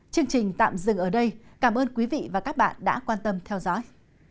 chương trình tạm dừng ở đây cảm ơn quý vị và các bạn đã quan tâm theo dõi